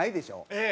ええ。